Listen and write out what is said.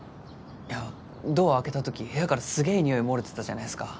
いやドア開けた時部屋からすげえにおい漏れてたじゃないすか。